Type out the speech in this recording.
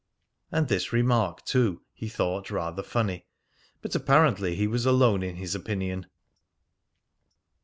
And this remark, too, he thought rather funny, but apparently he was alone in his opinion.